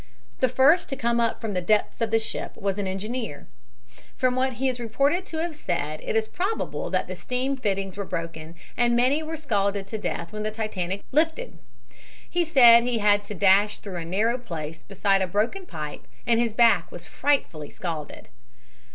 The first to come up from the depths of the ship was an engineer. From what he is reported to have said it is probable that the steam fittings were broken and many were scalded to death when the Titanic lifted. He said he had to dash through a narrow place beside a broken pipe and his back was frightfully scalded.